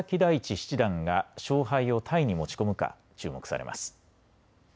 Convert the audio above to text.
七段が勝敗をタイに持ち込むか注目されます。